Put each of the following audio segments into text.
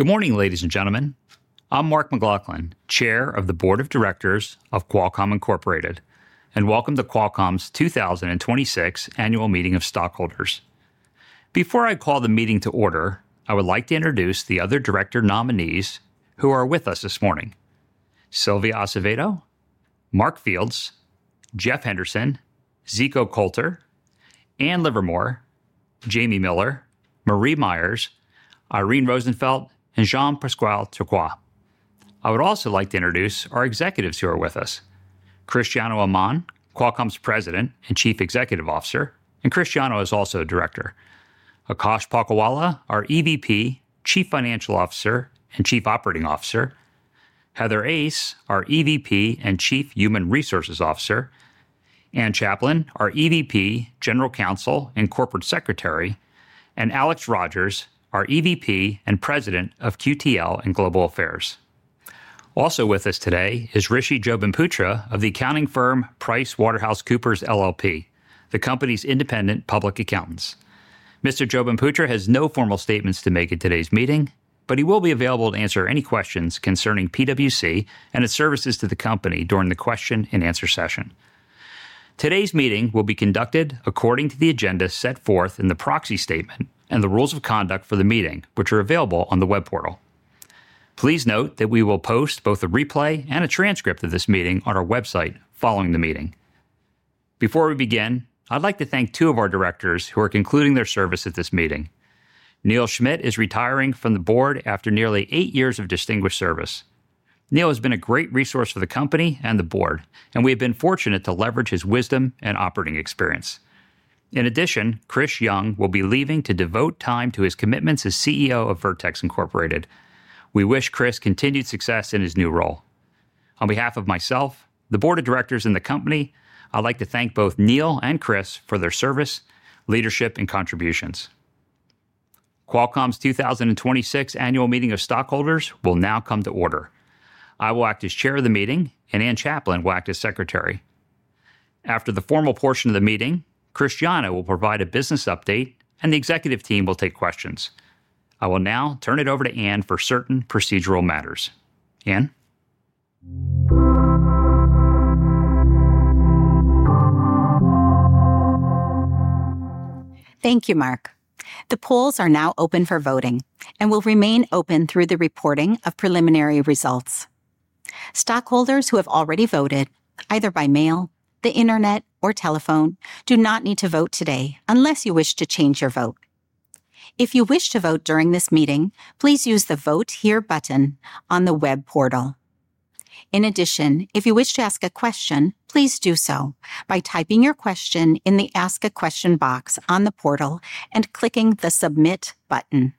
Good morning, ladies and gentlemen. I'm Mark McLaughlin, Chair of the Board of Directors of Qualcomm Incorporated, and welcome to Qualcomm's 2026 annual meeting of stockholders. Before I call the meeting to order, I would like to introduce the other director nominees who are with us this morning. Sylvia Acevedo, Mark Fields, Jeff Henderson, Zico Kolter, Ann Livermore, Jamie Miller, Marie Myers, Irene Rosenfeld, and Jean-Pascal Tricoire. I would also like to introduce our executives who are with us. Cristiano Amon, Qualcomm's President and Chief Executive Officer, and Cristiano is also a Director. Akash Palkhiwala, our EVP, Chief Financial Officer and Chief Operating Officer. Heather Ace, our EVP and Chief Human Resources Officer. Ann Chaplin, our EVP, General Counsel and Corporate Secretary, and Alex Rogers, our EVP and President of QTL and Global Affairs. Also with us today is Rishi Jobanputra of the accounting firm PricewaterhouseCoopers LLP, the company's independent public accountants. Mr. Jobanputra has no formal statements to make at today's meeting, but he will be available to answer any questions concerning PWC and its services to the company during the question and answer session. Today's meeting will be conducted according to the agenda set forth in the proxy statement and the rules of conduct for the meeting, which are available on the web portal. Please note that we will post both a replay and a transcript of this meeting on our website following the meeting. Before we begin, I'd like to thank two of our directors who are concluding their service at this meeting. Neil Smit is retiring from the board after nearly eight years of distinguished service. Neil has been a great resource for the company and the board, and we have been fortunate to leverage his wisdom and operating experience. In addition, Chris Young will be leaving to devote time to his commitments as CEO of Vertex Incorporated. We wish Chris continued success in his new role. On behalf of myself, the board of directors and the company, I'd like to thank both Neil and Chris for their service, leadership and contributions. Qualcomm's 2026 annual meeting of stockholders will now come to order. I will act as chair of the meeting, and Ann Chaplin will act as secretary. After the formal portion of the meeting, Cristiano will provide a business update and the executive team will take questions. I will now turn it over to Ann for certain procedural matters. Ann? Thank you, Mark. The polls are now open for voting and will remain open through the reporting of preliminary results. Stockholders who have already voted, either by mail, the Internet, or telephone, do not need to vote today unless you wish to change your vote. If you wish to vote during this meeting, please use the Vote Here button on the web portal. In addition, if you wish to ask a question, please do so by typing your question in the Ask a Question box on the portal and clicking the Submit button.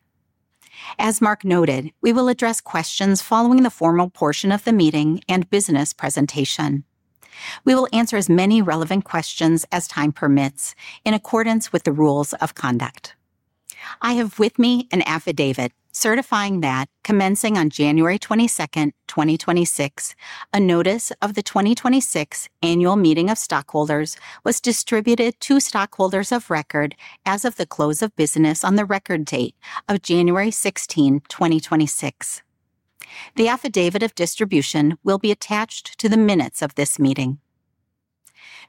As Mark noted, we will address questions following the formal portion of the meeting and business presentation. We will answer as many relevant questions as time permits in accordance with the rules of conduct. I have with me an affidavit certifying that commencing on January 22nd, 2026, a notice of the 2026 annual meeting of stockholders was distributed to stockholders of record as of the close of business on the record date of January 16th, 2026. The affidavit of distribution will be attached to the minutes of this meeting.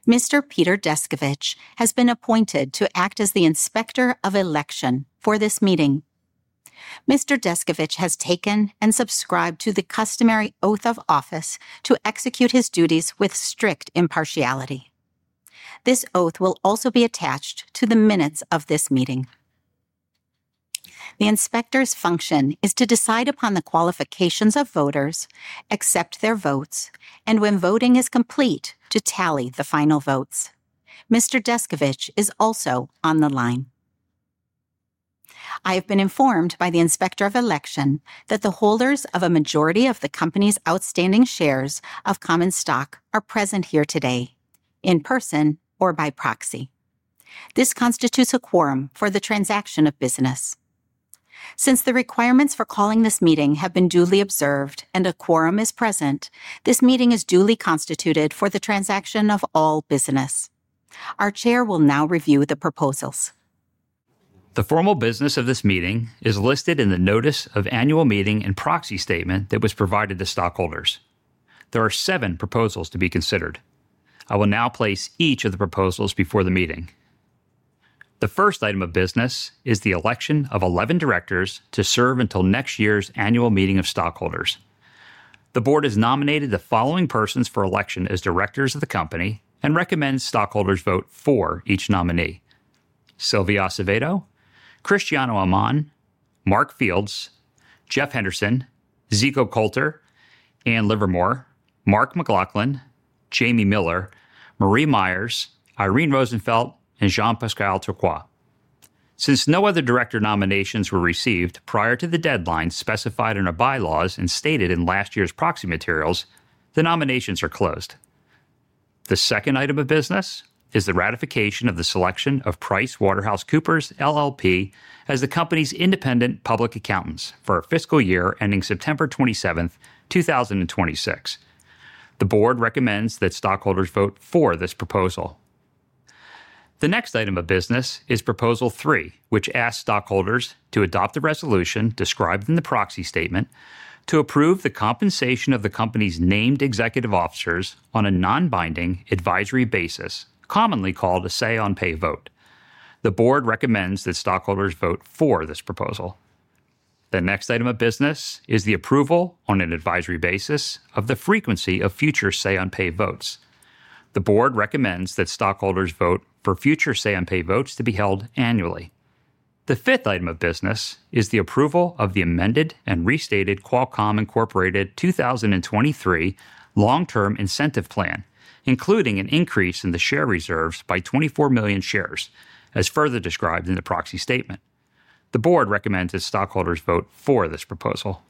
Mr. Peter Descovich has been appointed to act as the Inspector of Election for this meeting. Mr. Descovich has taken and subscribed to the customary oath of office to execute his duties with strict impartiality. This oath will also be attached to the minutes of this meeting. The inspector's function is to decide upon the qualifications of voters, accept their votes, and when voting is complete, to tally the final votes. Mr. Descovich is also on the line. I have been informed by the Inspector of Election that the holders of a majority of the company's outstanding shares of common stock are present here today, in person or by proxy. This constitutes a quorum for the transaction of business. Since the requirements for calling this meeting have been duly observed and a quorum is present, this meeting is duly constituted for the transaction of all business. Our chair will now review the proposals. The formal business of this meeting is listed in the notice of annual meeting and proxy statement that was provided to stockholders. There are seven proposals to be considered. I will now place each of the proposals before the meeting. The first item of business is the election of eleven directors to serve until next year's annual meeting of stockholders. The board has nominated the following persons for election as directors of the company and recommends stockholders vote for each nominee. Sylvia Acevedo, Cristiano Amon, Mark Fields, Jeff Henderson, Zico Kolter, Ann Livermore, Mark McLaughlin, Jamie Miller, Marie Myers, Irene Rosenfeld, and Jean-Pascal Tricoire. Since no other director nominations were received prior to the deadline specified in our bylaws and stated in last year's proxy materials, the nominations are closed. The second item of business is the ratification of the selection of PricewaterhouseCoopers LLP as the company's independent public accountants for our fiscal year ending September 27th, 2026. The board recommends that stockholders vote for this proposal. The next item of business is proposal three, which asks stockholders to adopt a resolution described in the proxy statement to approve the compensation of the company's named executive officers on a non-binding advisory basis, commonly called a say-on-pay vote. The board recommends that stockholders vote for this proposal. The next item of business is the approval on an advisory basis of the frequency of future say-on-pay votes. The board recommends that stockholders vote for future say-on-pay votes to be held annually. The fifth item of business is the approval of the amended and restated Qualcomm Incorporated 2023 long-term incentive plan, including an increase in the share reserves by 24 million shares, as further described in the proxy statement. The board recommends that stockholders vote for this proposal.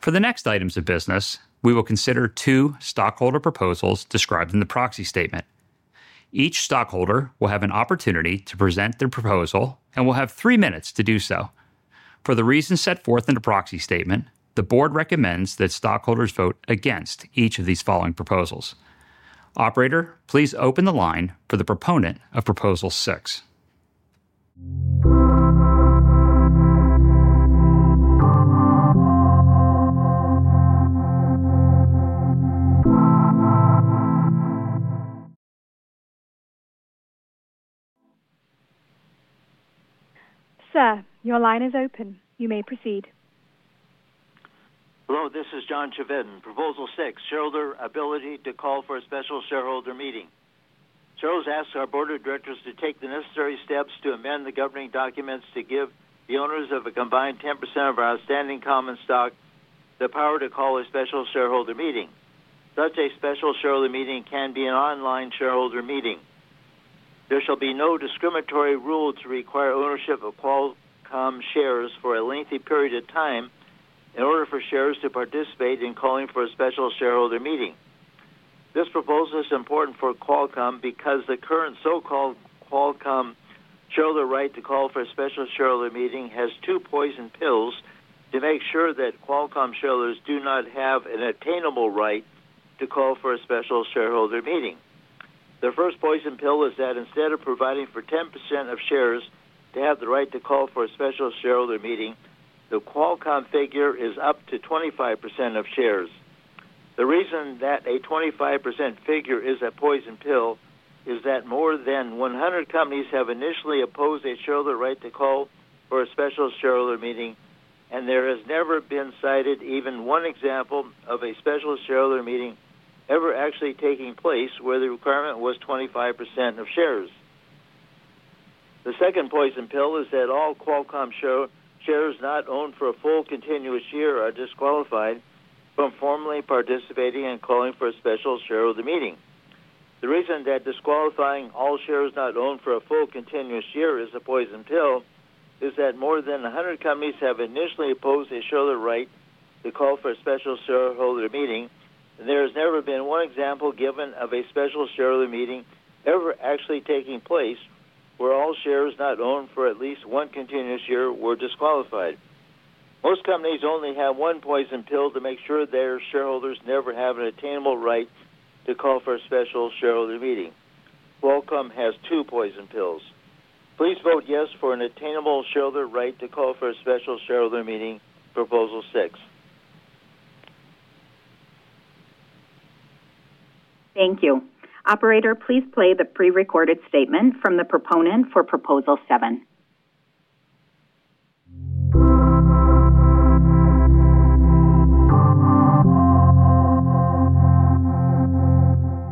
For the next items of business, we will consider two stockholder proposals described in the proxy statement. Each stockholder will have an opportunity to present their proposal and will have three minutes to do so. For the reasons set forth in the proxy statement, the board recommends that stockholders vote against each of these following proposals. Operator, please open the line for the proponent of proposal six. Sir, your line is open. You may proceed. Hello, this is John Chevedden. Proposal six, shareholder ability to call for a special shareholder meeting. Shareholders ask our board of directors to take the necessary steps to amend the governing documents to give the owners of a combined 10% of our outstanding common stock the power to call a special shareholder meeting. Such a special shareholder meeting can be an online shareholder meeting. There shall be no discriminatory rule to require ownership of Qualcomm shares for a lengthy period of time in order for shareholders to participate in calling for a special shareholder meeting. This proposal is important for Qualcomm because the current so-called Qualcomm shareholder right to call for a special shareholder meeting has two poison pills to make sure that Qualcomm shareholders do not have an attainable right to call for a special shareholder meeting. The first poison pill is that instead of providing for 10% of shares to have the right to call for a special shareholder meeting, the Qualcomm figure is up to 25% of shares. The reason that a 25% figure is a poison pill is that more than 100 companies have initially opposed a shareholder right to call for a special shareholder meeting, and there has never been cited even one example of a special shareholder meeting ever actually taking place where the requirement was 25% of shares. The second poison pill is that all Qualcomm shares not owned for a full continuous year are disqualified from formally participating and calling for a special shareholder meeting. The reason that disqualifying all shares not owned for a full continuous year is a poison pill is that more than 100 companies have initially opposed a shareholder right to call for a special shareholder meeting, and there has never been one example given of a special shareholder meeting ever actually taking place where all shares not owned for at least one continuous year were disqualified. Most companies only have one poison pill to make sure their shareholders never have an attainable right to call for a special shareholder meeting. Qualcomm has two poison pills. Please vote yes for an attainable shareholder right to call for a special shareholder meeting, Proposal six. Thank you. Operator, please play the pre-recorded statement from the proponent for proposal seven.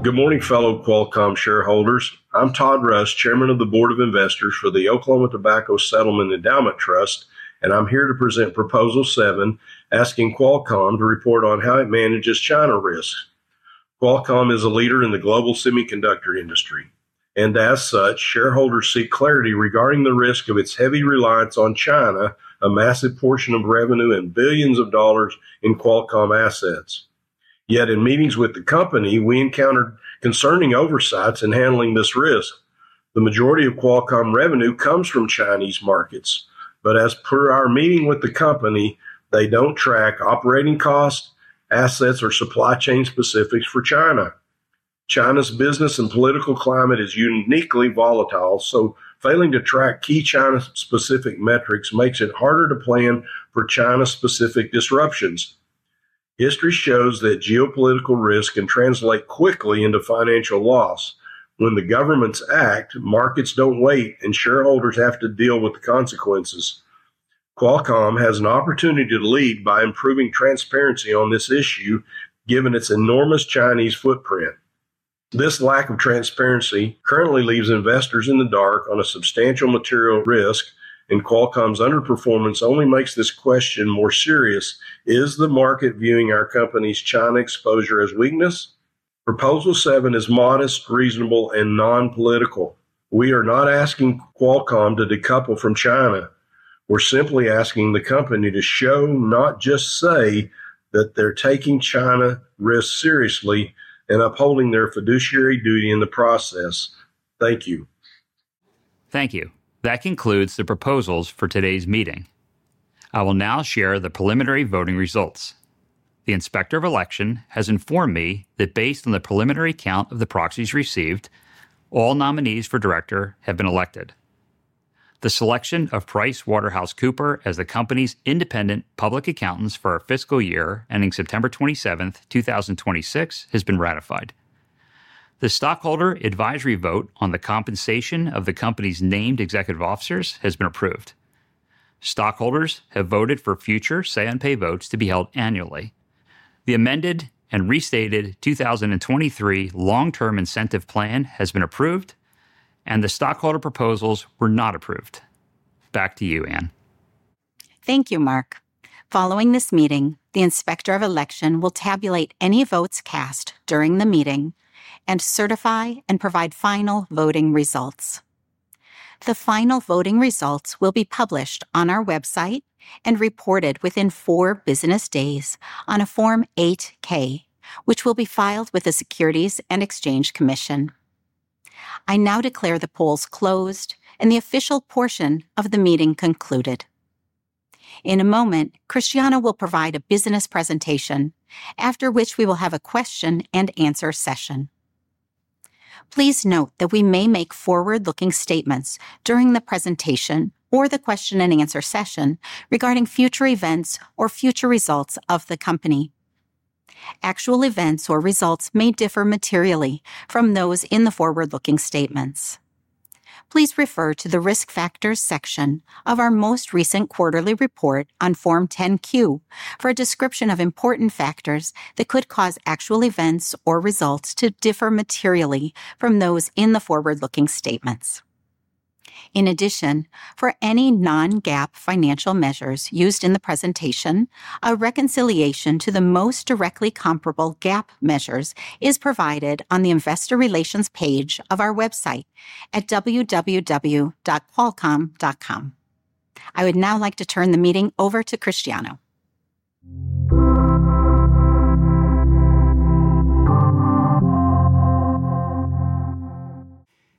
Good morning, fellow Qualcomm shareholders. I'm Todd Russ, Chairman of the Board of Investors for the Oklahoma Tobacco Settlement Endowment Trust, and I'm here to present proposal seven, asking Qualcomm to report on how it manages China risk. Qualcomm is a leader in the global semiconductor industry, and as such, shareholders seek clarity regarding the risk of its heavy reliance on China, a massive portion of revenue and billions of dollars in Qualcomm assets. Yet in meetings with the company, we encountered concerning oversights in handling this risk. The majority of Qualcomm revenue comes from Chinese markets, but as per our meeting with the company, they don't track operating costs, assets, or supply chain specifics for China. China's business and political climate is uniquely volatile, so failing to track key China-specific metrics makes it harder to plan for China-specific disruptions. History shows that geopolitical risk can translate quickly into financial loss. When the governments act, markets don't wait, and shareholders have to deal with the consequences. Qualcomm has an opportunity to lead by improving transparency on this issue given its enormous Chinese footprint. This lack of transparency currently leaves investors in the dark on a substantial material risk, and Qualcomm's underperformance only makes this question more serious. Is the market viewing our company's China exposure as weakness? Proposal seven is modest, reasonable, and non-political. We are not asking Qualcomm to decouple from China. We're simply asking the company to show, not just say, that they're taking China risks seriously and upholding their fiduciary duty in the process. Thank you. Thank you. That concludes the proposals for today's meeting. I will now share the preliminary voting results. The Inspector of Election has informed me that based on the preliminary count of the proxies received, all nominees for director have been elected. The selection of PricewaterhouseCoopers as the company's independent public accountants for our fiscal year ending September 27th, 2026, has been ratified. The stockholder advisory vote on the compensation of the company's named executive officers has been approved. Stockholders have voted for future say on pay votes to be held annually. The amended and restated 2023 long-term incentive plan has been approved, and the stockholder proposals were not approved. Back to you, Anne. Thank you, Mark. Following this meeting, the Inspector of Election will tabulate any votes cast during the meeting and certify and provide final voting results. The final voting results will be published on our website and reported within four business days on a Form 8-K, which will be filed with the Securities and Exchange Commission. I now declare the polls closed and the official portion of the meeting concluded. In a moment, Cristiano will provide a business presentation, after which we will have a question and answer session. Please note that we may make forward-looking statements during the presentation or the question and answer session regarding future events or future results of the company. Actual events or results may differ materially from those in the forward-looking statements. Please refer to the Risk Factors section of our most recent quarterly report on Form 10-Q for a description of important factors that could cause actual events or results to differ materially from those in the forward-looking statements. In addition, for any non-GAAP financial measures used in the presentation, a reconciliation to the most directly comparable GAAP measures is provided on the Investor Relations page of our website at www.qualcomm.com. I would now like to turn the meeting over to Cristiano.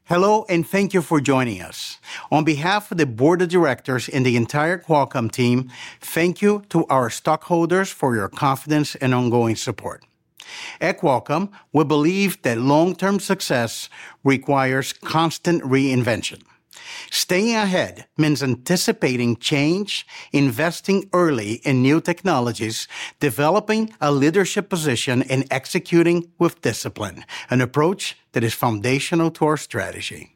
Hello, and thank you for joining us. On behalf of the Board of Directors and the entire Qualcomm team, thank you to our stockholders for your confidence and ongoing support. At Qualcomm, we believe that long-term success requires constant reinvention. Staying ahead means anticipating change, investing early in new technologies, developing a leadership position, and executing with discipline, an approach that is foundational to our strategy.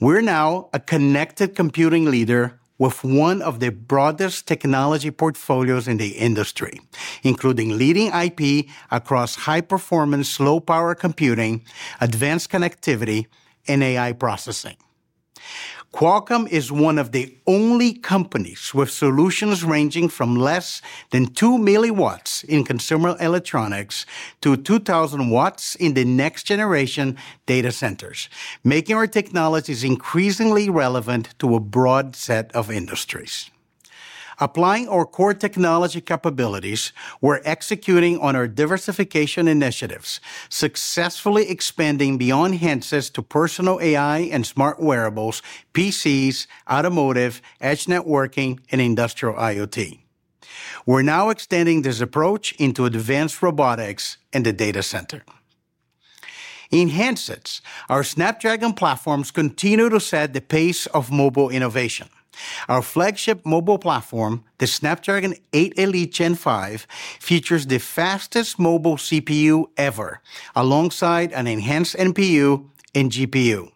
We're now a connected computing leader with one of the broadest technology portfolios in the industry, including leading IP across high performance, low power computing, advanced connectivity, and AI processing. Qualcomm is one of the only companies with solutions ranging from less than 2 milliwatts in consumer electronics to 2,000 watts in the next generation data centers, making our technologies increasingly relevant to a broad set of industries. Applying our core technology capabilities, we're executing on our diversification initiatives, successfully expanding beyond handsets to personal AI and smart wearables, PCs, automotive, edge networking, and industrial IoT. We're now extending this approach into advanced robotics and the data center. In handsets, our Snapdragon platforms continue to set the pace of mobile innovation. Our flagship mobile platform, the Snapdragon 8 Elite Gen 5, features the fastest mobile CPU ever, alongside an enhanced NPU and GPU.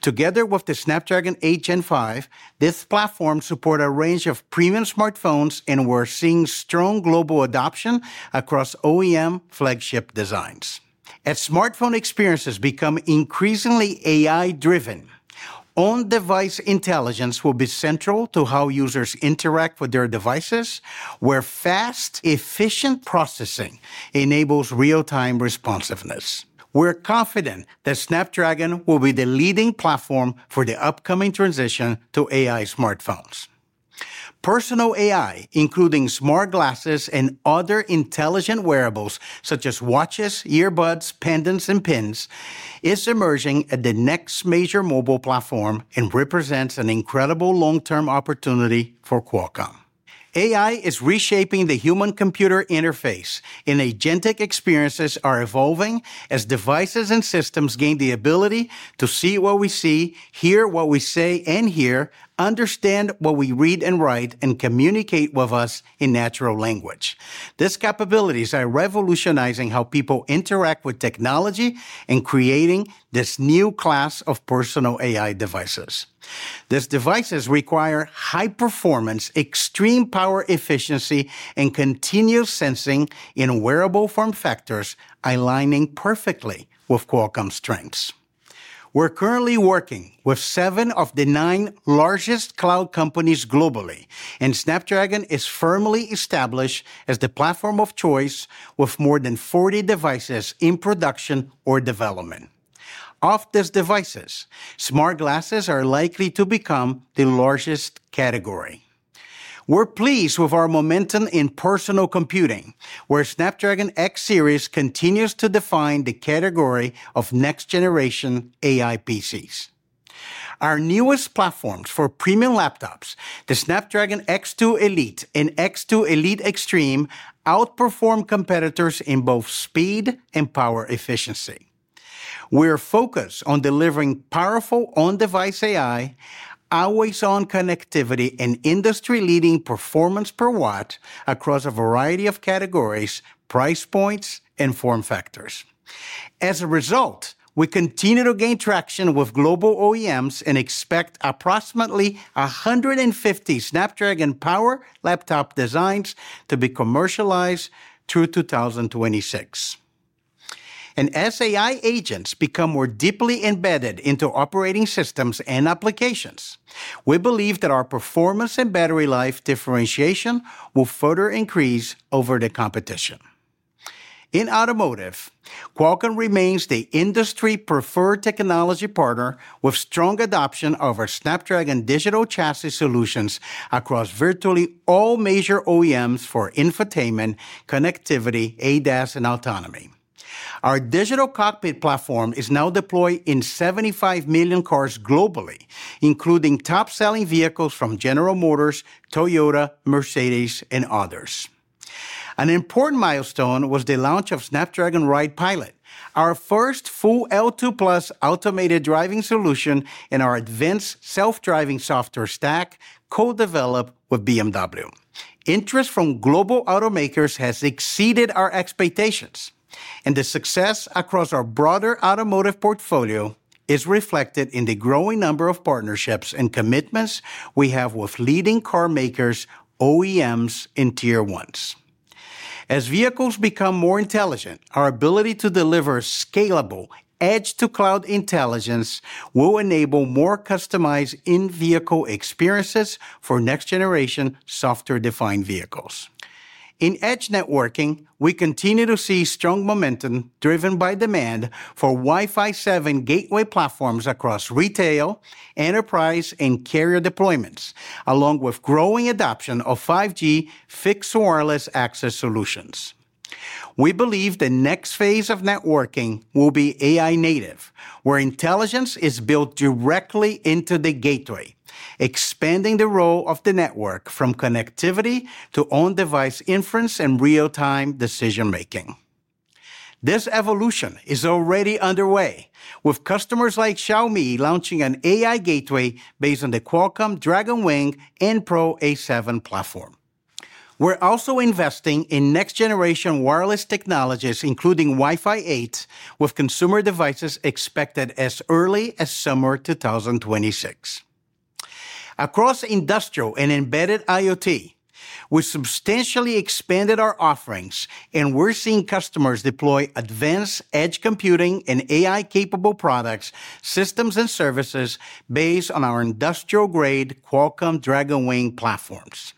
Together with the Snapdragon 8 Gen 5, this platform support a range of premium smartphones, and we're seeing strong global adoption across OEM flagship designs. As smartphone experiences become increasingly AI-driven, on-device intelligence will be central to how users interact with their devices, where fast, efficient processing enables real-time responsiveness. We're confident that Snapdragon will be the leading platform for the upcoming transition to AI smartphones. Personal AI, including smart glasses and other intelligent wearables such as watches, earbuds, pendants, and pins, is emerging as the next major mobile platform and represents an incredible long-term opportunity for Qualcomm. AI is reshaping the human computer interface, and agentic experiences are evolving as devices and systems gain the ability to see what we see, hear what we say and hear, understand what we read and write, and communicate with us in natural language. These capabilities are revolutionizing how people interact with technology and creating this new class of personal AI devices. These devices require high performance, extreme power efficiency, and continuous sensing in wearable form factors aligning perfectly with Qualcomm's strengths. We're currently working with seven of the nine largest cloud companies globally, and Snapdragon is firmly established as the platform of choice with more than 40 devices in production or development. Of these devices, smart glasses are likely to become the largest category. We're pleased with our momentum in personal computing, where Snapdragon X Series continues to define the category of next-generation AI PCs. Our newest platforms for premium laptops, the Snapdragon X2 Elite and X2 Elite Extreme, outperform competitors in both speed and power efficiency. We are focused on delivering powerful on-device AI, always-on connectivity, and industry-leading performance per watt across a variety of categories, price points, and form factors. As a result, we continue to gain traction with global OEMs and expect approximately 150 Snapdragon-powered laptop designs to be commercialized through 2026. As AI agents become more deeply embedded into operating systems and applications, we believe that our performance and battery life differentiation will further increase over the competition. In automotive, Qualcomm remains the industry-preferred technology partner with strong adoption of our Snapdragon Digital Chassis solutions across virtually all major OEMs for infotainment, connectivity, ADAS, and autonomy. Our digital cockpit platform is now deployed in 75 million cars globally, including top-selling vehicles from General Motors, Toyota, Mercedes, and others. An important milestone was the launch of Snapdragon Ride Pilot, our first full L2+ automated driving solution in our advanced self-driving software stack co-developed with BMW. Interest from global automakers has exceeded our expectations, and the success across our broader automotive portfolio is reflected in the growing number of partnerships and commitments we have with leading carmakers, OEMs, and Tier ones. As vehicles become more intelligent, our ability to deliver scalable edge-to-cloud intelligence will enable more customized in-vehicle experiences for next-generation software-defined vehicles. In edge networking, we continue to see strong momentum driven by demand for Wi-Fi 7 gateway platforms across retail, enterprise, and carrier deployments, along with growing adoption of 5G fixed wireless access solutions. We believe the next phase of networking will be AI native, where intelligence is built directly into the gateway, expanding the role of the network from connectivity to on-device inference and real-time decision-making. This evolution is already underway, with customers like Xiaomi launching an AI gateway based on the Qualcomm Dragonwing and Pro A7 platform. We're also investing in next-generation wireless technologies, including Wi-Fi 8, with consumer devices expected as early as summer 2026. Across industrial and embedded IoT, we substantially expanded our offerings, and we're seeing customers deploy advanced edge computing and AI-capable products, systems, and services based on our industrial-grade Qualcomm Dragonwing platforms.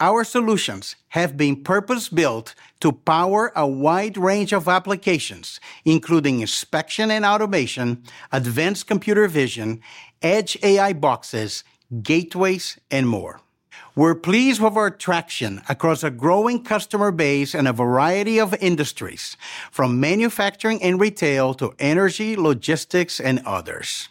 Our solutions have been purpose-built to power a wide range of applications, including inspection and automation, advanced computer vision, edge AI boxes, gateways, and more. We're pleased with our traction across a growing customer base and a variety of industries, from manufacturing and retail to energy, logistics, and others.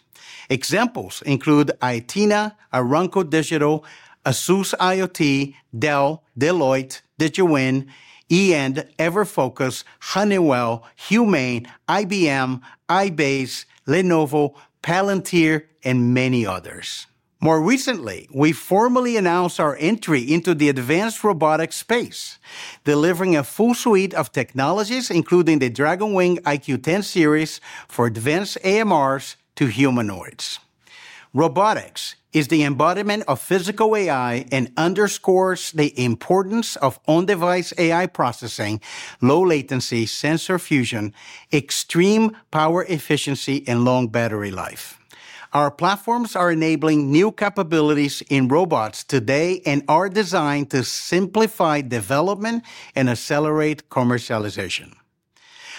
Examples include Aetina, Aramco Digital, ASUS IoT, Dell, Deloitte, Digiwin, Eend, EverFocus, Honeywell, Humane, IBM, IBASE, Lenovo, Palantir, and many others. More recently, we formally announced our entry into the advanced robotics space, delivering a full suite of technologies, including the Dragonwing IQ 10 series for advanced AMRs to humanoids. Robotics is the embodiment of physical AI and underscores the importance of on-device AI processing, low latency sensor fusion, extreme power efficiency, and long battery life. Our platforms are enabling new capabilities in robots today and are designed to simplify development and accelerate commercialization.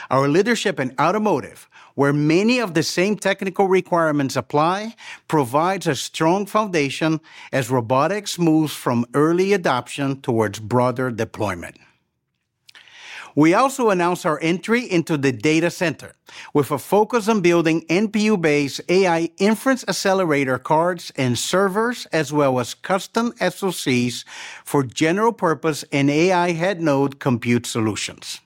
Our leadership in automotive, where many of the same technical requirements apply, provides a strong foundation as robotics moves from early adoption towards broader deployment. We also announced our entry into the data center with a focus on building NPU-based AI inference accelerator cards and servers, as well as custom SoCs for general purpose and AI head node compute solutions.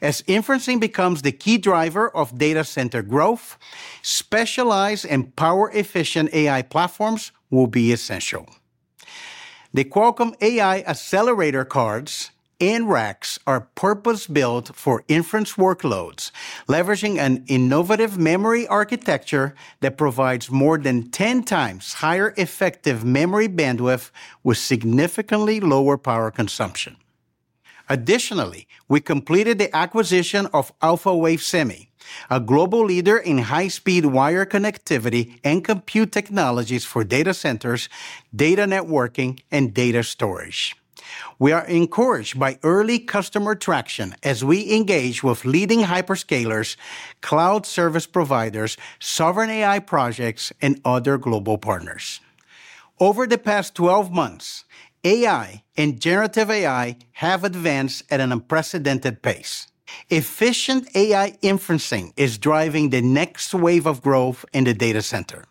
As inferencing becomes the key driver of data center growth, specialized and power-efficient AI platforms will be essential. The Qualcomm AI accelerator cards and racks are purpose-built for inference workloads, leveraging an innovative memory architecture that provides more than ten times higher effective memory bandwidth with significantly lower power consumption. Additionally, we completed the acquisition of Alphawave Semi, a global leader in high-speed wire connectivity and compute technologies for data centers, data networking, and data storage. We are encouraged by early customer traction as we engage with leading hyperscalers, cloud service providers, sovereign AI projects, and other global partners. Over the past 12 months, AI and generative AI have advanced at an unprecedented pace. Efficient AI inferencing is driving the next wave of growth in the data center.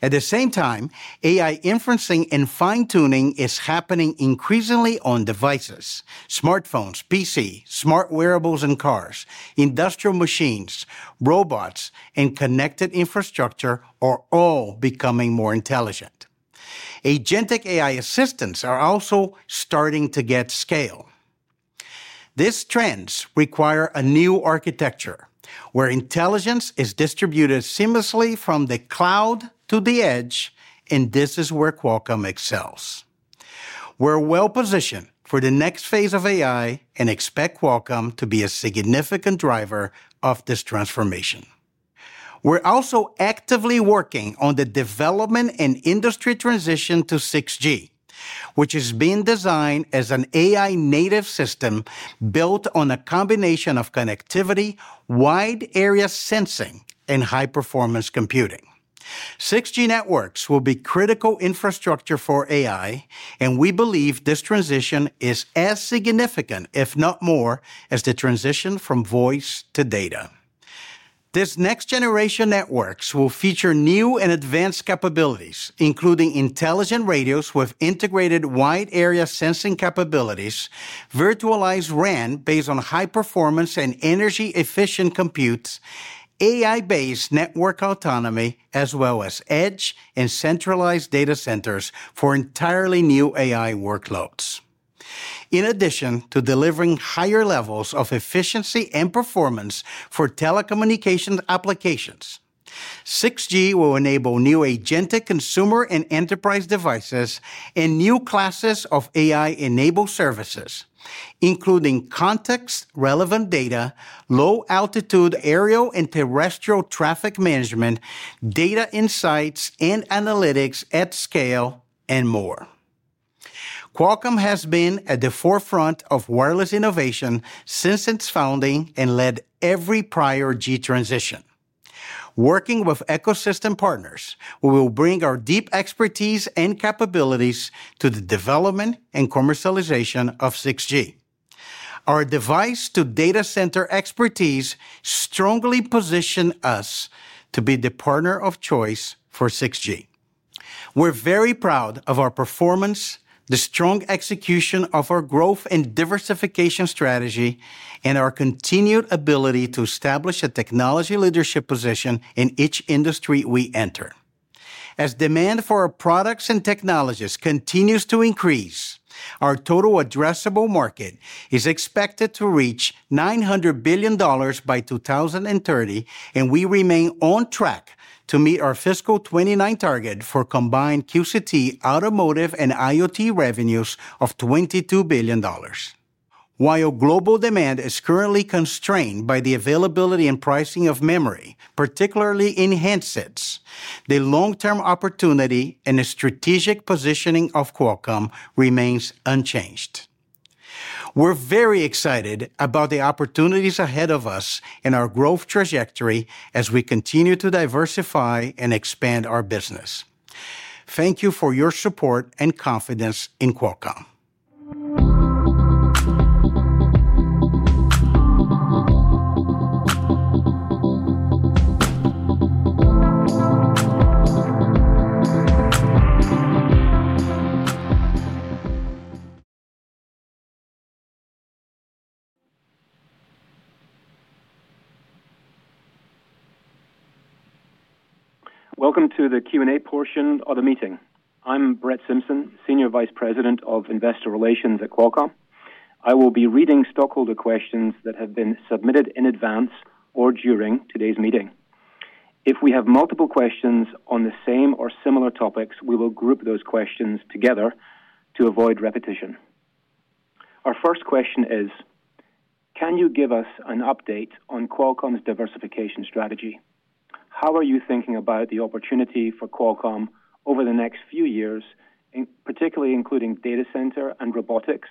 At the same time, AI inferencing and fine-tuning is happening increasingly on devices. Smartphones, PC, smart wearables and cars, industrial machines, robots, and connected infrastructure are all becoming more intelligent. Agentic AI assistants are also starting to get scale. These trends require a new architecture where intelligence is distributed seamlessly from the cloud to the edge, and this is where Qualcomm excels. We're well-positioned for the next phase of AI and expect Qualcomm to be a significant driver of this transformation. We're also actively working on the development and industry transition to 6G, which is being designed as an AI-native system built on a combination of connectivity, wide area sensing, and high-performance computing. 6G networks will be critical infrastructure for AI, and we believe this transition is as significant, if not more, as the transition from voice to data. These next-generation networks will feature new and advanced capabilities, including intelligent radios with integrated wide area sensing capabilities, virtualized RAN based on high performance and energy-efficient compute, AI-based network autonomy, as well as edge and centralized data centers for entirely new AI workloads. In addition to delivering higher levels of efficiency and performance for telecommunications applications, 6G will enable new agentic consumer and enterprise devices and new classes of AI-enabled services, including context-relevant data, low-altitude aerial and terrestrial traffic management, data insights and analytics at scale, and more. Qualcomm has been at the forefront of wireless innovation since its founding and led every prior G transition. Working with ecosystem partners, we will bring our deep expertise and capabilities to the development and commercialization of 6G. Our device to data center expertise strongly position us to be the partner of choice for 6G. We're very proud of our performance, the strong execution of our growth and diversification strategy, and our continued ability to establish a technology leadership position in each industry we enter. As demand for our products and technologies continues to increase, our total addressable market is expected to reach $900 billion by 2030, and we remain on track to meet our fiscal 2029 target for combined QCT, automotive, and IoT revenues of $22 billion. While global demand is currently constrained by the availability and pricing of memory, particularly in handsets, the long-term opportunity and the strategic positioning of Qualcomm remains unchanged. We're very excited about the opportunities ahead of us and our growth trajectory as we continue to diversify and expand our business. Thank you for your support and confidence in Qualcomm. Welcome to the Q&A portion of the meeting. I'm Brett Simpson, Senior Vice President of Investor Relations at Qualcomm. I will be reading stockholder questions that have been submitted in advance or during today's meeting. If we have multiple questions on the same or similar topics, we will group those questions together to avoid repetition. Our first question is: Can you give us an update on Qualcomm's diversification strategy? How are you thinking about the opportunity for Qualcomm over the next few years, in particular including data center and robotics,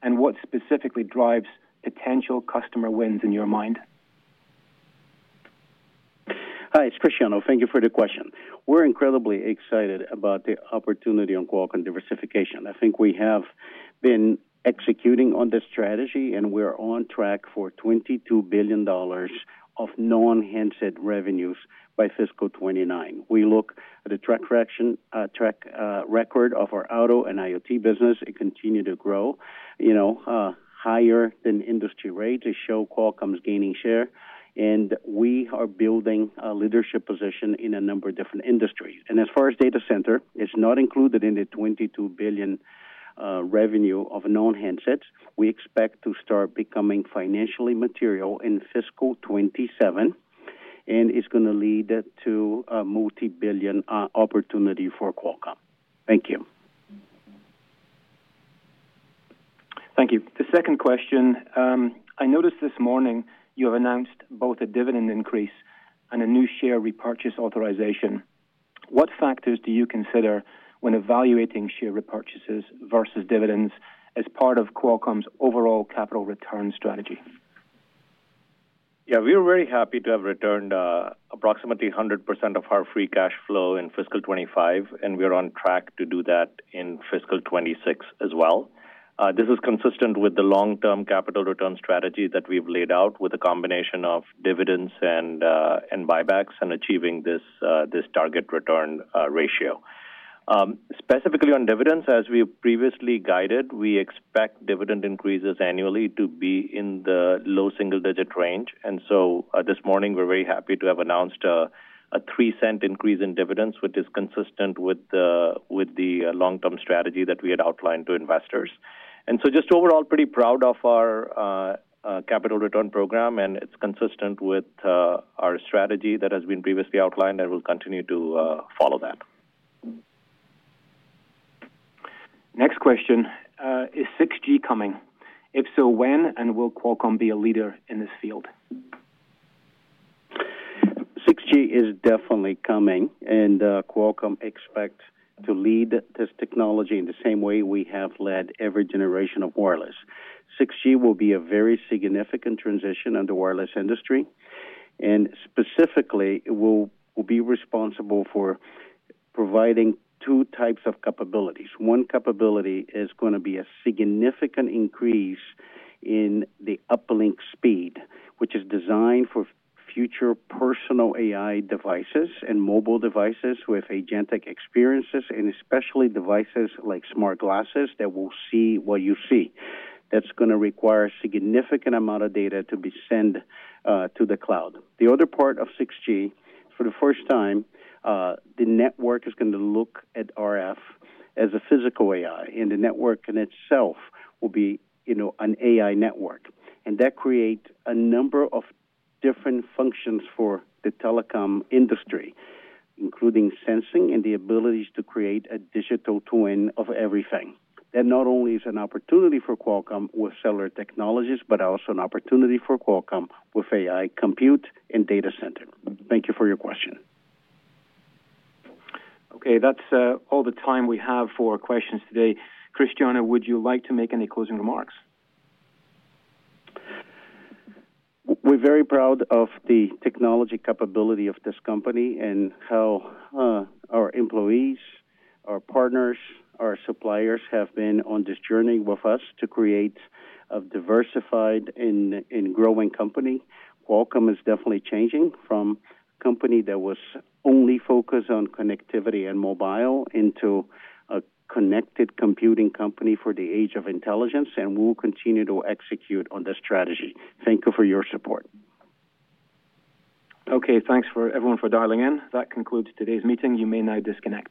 and what specifically drives potential customer wins in your mind? Hi, it's Cristiano. Thank you for the question. We're incredibly excited about the opportunity on Qualcomm diversification. I think we have been executing on this strategy, and we're on track for $22 billion of non-handset revenues by fiscal 2029. We look at the track record of our auto and IoT business. It continue to grow, you know, higher than industry rates, which show Qualcomm's gaining share, and we are building a leadership position in a number of different industries. As far as data center, it's not included in the $22 billion revenue of non-handsets. We expect to start becoming financially material in fiscal 2027, and it's gonna lead to a multi-billion opportunity for Qualcomm. Thank you. Thank you. The second question. I noticed this morning you have announced both a dividend increase and a new share repurchase authorization. What factors do you consider when evaluating share repurchases versus dividends as part of Qualcomm's overall capital return strategy? We are very happy to have returned approximately 100% of our free cash flow in fiscal 2025, and we are on track to do that in fiscal 2026 as well. This is consistent with the long-term capital return strategy that we've laid out with a combination of dividends and buybacks and achieving this target return ratio. Specifically on dividends, as we previously guided, we expect dividend increases annually to be in the low single-digit range. This morning we're very happy to have announced a $0.03 increase in dividends, which is consistent with the long-term strategy that we had outlined to investors. Just overall, pretty proud of our capital return program, and it's consistent with our strategy that has been previously outlined, and we'll continue to follow that. Next question. Is 6G coming? If so, when, and will Qualcomm be a leader in this field? 6G is definitely coming, and Qualcomm expects to lead this technology in the same way we have led every generation of wireless. 6G will be a very significant transition in the wireless industry, and specifically it will be responsible for providing two types of capabilities. One capability is gonna be a significant increase in the uplink speed, which is designed for future personal AI devices and mobile devices with agentic experiences, and especially devices like smart glasses that will see what you see. That's gonna require a significant amount of data to be sent to the cloud. The other part of 6G, for the first time, the network is gonna look at RF as a physical AI, and the network in itself will be, you know, an AI network. That create a number of different functions for the telecom industry, including sensing and the abilities to create a digital twin of everything. That not only is an opportunity for Qualcomm with cellular technologies, but also an opportunity for Qualcomm with AI compute and data center. Thank you for your question. Okay, that's all the time we have for questions today. Cristiano, would you like to make any closing remarks? We're very proud of the technology capability of this company and how our employees, our partners, our suppliers have been on this journey with us to create a diversified and growing company. Qualcomm is definitely changing from company that was only focused on connectivity and mobile into a connected computing company for the age of intelligence, and we will continue to execute on the strategy. Thank you for your support. Okay. Thanks for everyone for dialing in. That concludes today's meeting. You may now disconnect.